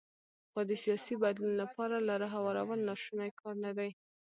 خو د سیاسي بدلون لپاره لاره هوارول ناشونی کار نه دی.